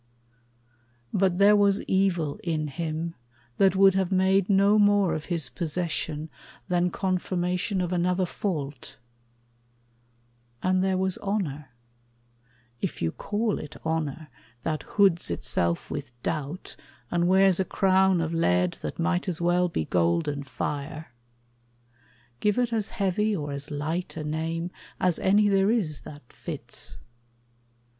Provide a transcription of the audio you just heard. But there was evil in him That would have made no more of his possession Than confirmation of another fault; And there was honor if you call it honor That hoods itself with doubt and wears a crown Of lead that might as well be gold and fire. Give it as heavy or as light a name As any there is that fits.